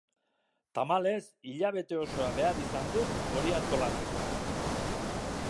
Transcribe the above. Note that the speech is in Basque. Tamalez, hilabete osoa behar izan dut hori antolatzeko.